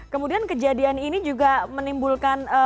kemudian kejadian ini juga menimbulkan